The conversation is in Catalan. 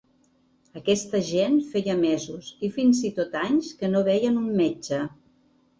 Aquesta gent feia mesos i fins i tot anys que no veien un metge.